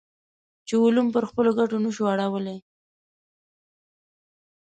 چې علوم پر خپلو ګټو نه شو اړولی.